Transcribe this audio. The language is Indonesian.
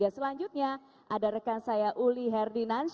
selanjutnya ada rekan saya uli herdi nansyas